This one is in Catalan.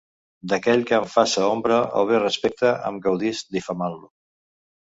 D’aquell que em faça ombra o bé respecte, em gaudisc difamant-lo.